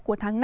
của tháng năm